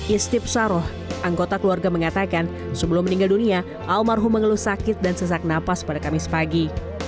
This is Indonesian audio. istip saroh anggota keluarga mengatakan sebelum meninggal dunia almarhum mengeluh sakit dan sesak napas pada kamis pagi